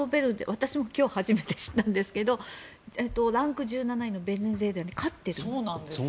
私も今日初めて知ったんですがランク１７位のベネズエラに勝っている。